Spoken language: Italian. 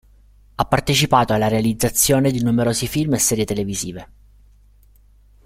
Ha partecipato alla realizzazione di numerosi film e serie televisive.